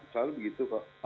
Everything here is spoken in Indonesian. selalu begitu pak